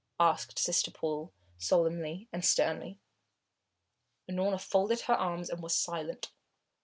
asked Sister Paul, solemnly and sternly. Unorna folded her arms and was silent.